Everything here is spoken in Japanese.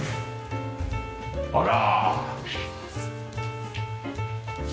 あら！